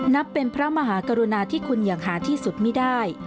นับเป็นพระมหากรุณาที่คุณอย่างหาที่สุดไม่ได้